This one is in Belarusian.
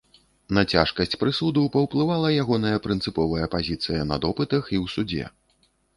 На цяжкасць прысуду паўплывала ягоная прынцыповая пазіцыя на допытах і ў судзе.